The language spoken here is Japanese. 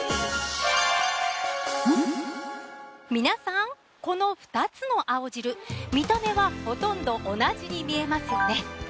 皆さんこの２つの青汁見た目はほとんど同じに見えますよね。